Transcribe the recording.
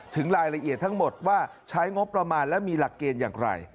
ถึงรายละเอียดทั้งหมดว่าใช้งบประมาณและมีหลักเกณฑ์อย่างไร